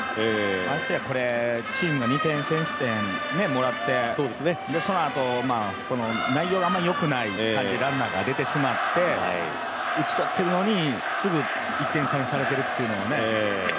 ましてやチームが２点先取点もらってそのあと、内容があまりよくない感じでランナーが出てしまって打ち取ってるのに、すぐ１点差にされてるっていうね。